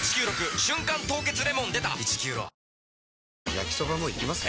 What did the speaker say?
焼きソバもいきます？